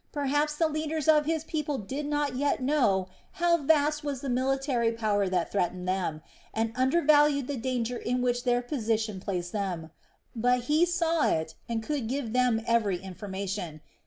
Perhaps the leaders of his people did not yet know how vast was the military power that threatened them, and undervalued the danger in which their position placed them. But he saw it, and could give them every information.